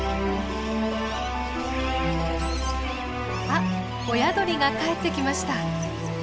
あっ親鳥が帰ってきました。